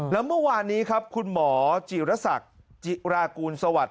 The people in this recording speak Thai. แล้วเมื่อวานนี้ครับคุณหมอจิรษักจิรากูลสวัสดิ